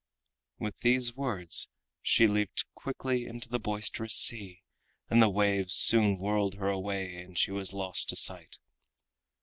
With these words she leaped quickly into the boisterous sea, and the waves soon whirled her away and she was lost to sight.